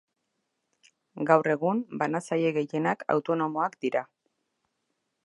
Gaur egun, banatzaile gehienak autonomoak dira.